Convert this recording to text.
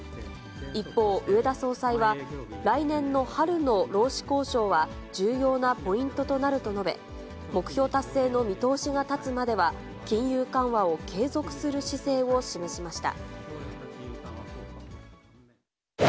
一方、植田総裁は、来年の春の労使交渉は、重要なポイントとなると述べ、目標達成の見通しが立つまでは、金融緩和を継続する姿勢を示しました。